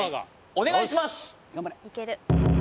お願いします